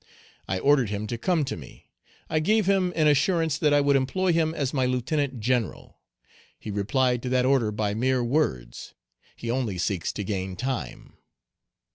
"I ordered him to come to me; I gave him an assurance that I would employ him as my lieutenant general: he replied to that order by mere words; he only seeks to gain time.